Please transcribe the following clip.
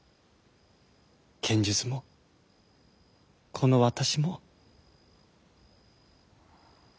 剣術もこの私も。